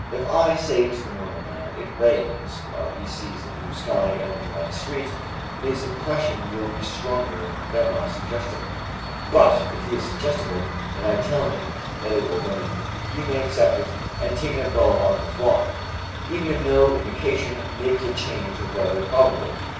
If I say to the normal man, "It rains," while he sees the blue sky and the dry street, his impression will be stronger than my suggestion; but if he is suggestible and I tell him that it will rain, he may accept it and take an umbrella on his walk, even if no indication makes a change of weather probable.